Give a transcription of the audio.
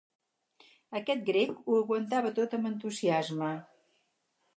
Aquest grec ho aguantava tot amb entusiasme.